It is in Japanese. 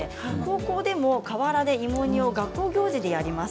高校でも河原で芋煮を学校行事でやっています。